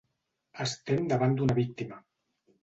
Estem davant d'una víctima.